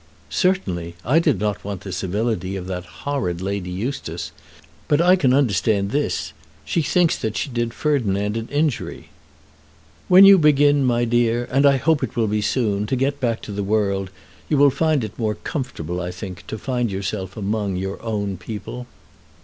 "Certainly. I did not want the civility of that horrid Lady Eustace. But I can understand this. She thinks that she did Ferdinand an injury." "When you begin, my dear, and I hope it will be soon, to get back to the world, you will find it more comfortable, I think, to find yourself among your own people."